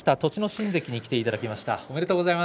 心関に来ていただきました。